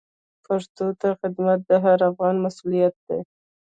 پښتو ته خدمت د هر افغان مسوولیت دی.